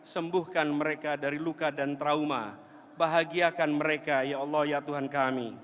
sembuhkan mereka dari luka dan trauma bahagiakan mereka ya allah ya tuhan kami